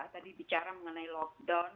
tadi bicara mengenai lockdown